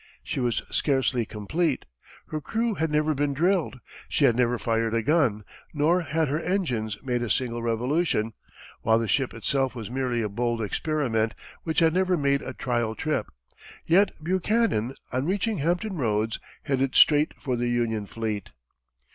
She was scarcely complete, her crew had never been drilled, she had never fired a gun, nor had her engines made a single revolution, while the ship itself was merely a bold experiment, which had never made a trial trip. Yet Buchanan, on reaching Hampton Roads, headed straight for the Union fleet.